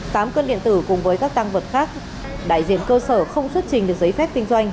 tám cân điện tử cùng với các tăng vật khác đại diện cơ sở không xuất trình được giấy phép kinh doanh